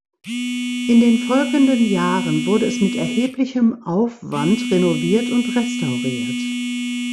In den folgenden Jahren wurde es mit erheblichem Aufwand renoviert und restauriert.